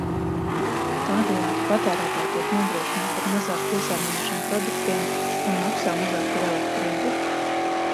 Tādējādi patērētāji tiek nodrošināti ar mazāk piesārņojošiem produktiem un maksā mazāk par elektrību.